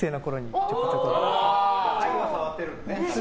牌は触ってるんですね。